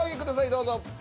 どうぞ。